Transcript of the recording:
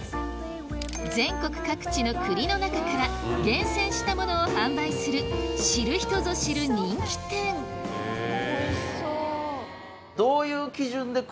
全国各地の栗の中から厳選したものを販売する知る人ぞ知る人気店おいしそう。